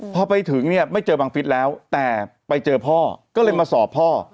พอไปถึงเนี่ยไม่เจอบังฟิศแล้วแต่ไปเจอพ่อก็เลยมาสอบพ่อ